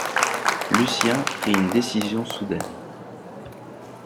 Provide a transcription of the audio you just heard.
Lucien prit une décision soudaine.